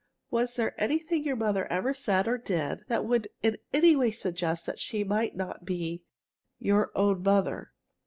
Was there anything your mother ever said or did that would in any way suggest that she might not be your own mother?